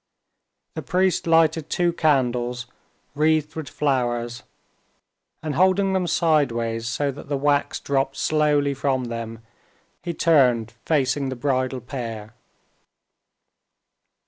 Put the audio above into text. The priest lighted two candles, wreathed with flowers, and holding them sideways so that the wax dropped slowly from them he turned, facing the bridal pair.